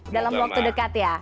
dalam waktu dekat ya